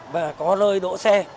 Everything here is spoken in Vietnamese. và có lơi đỗ xe